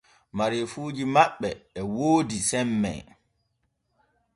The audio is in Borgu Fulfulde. Mareefuuji maɓɓe e woodi semme.